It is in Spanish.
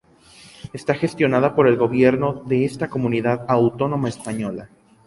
Está gestionada por el Gobierno de esta comunidad autónoma española.